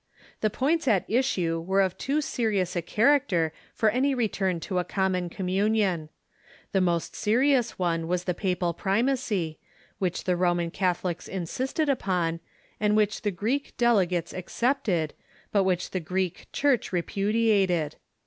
The points at issue were of too serious a character for any return to a common communion. The most serious one was the papal primacy, Avhich the Roman Catholics insisted upon, and which the Greek delegates accepted, but which the Greek Church repudiated.